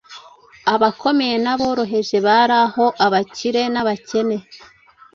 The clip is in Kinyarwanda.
Abakomeye n’aboroheje bari aho, abakire n’abakene,